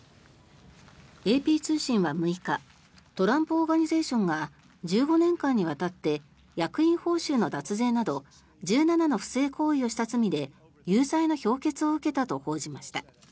ＡＰ通信は６日トランプ・オーガニゼーションが１５年間にわたって役員報酬の脱税など１７の不正行為をした罪で有罪の評決を受けたと報じました。